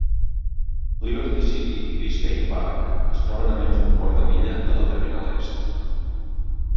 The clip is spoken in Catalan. Liberty City i Biscayne Park es troben a menys d'un quart de milla de la terminal est.